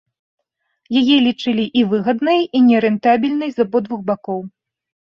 Яе лічылі і выгаднай і нерэнтабельнай з абодвух бакоў.